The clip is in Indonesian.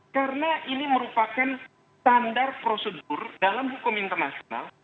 karena ini merupakan standar prosedur dalam hukum internasional